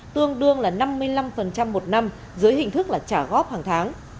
tương đương là năm mươi năm một năm dưới hình thức là trả góp hàng tháng